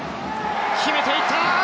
決めていった！